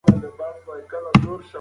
څېړونکي وايي د کم خوراک اغېز کم دی.